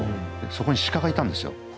そこに鹿がいたんですよ